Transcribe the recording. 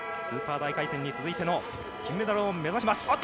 スーパー大回転に続いての金メダルを目指します。